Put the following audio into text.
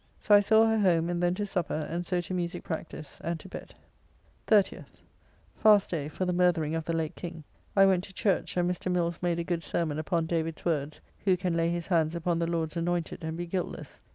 So I saw her home, and then to supper, and so to musique practice, and to bed. 30th. Fast day for the murthering of the late King. I went to church, and Mr. Mills made a good sermon upon David's words, "Who can lay his hands upon the Lord's Anoynted and be guiltless?"